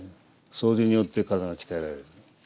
掃除によって体が鍛えられる。